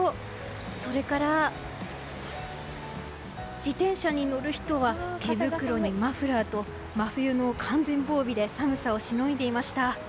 それから、自転車に乗る人は手袋にマフラーと真冬の完全防備で寒さをしのいでいました。